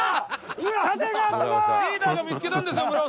リーダーが見つけたんですよ村長。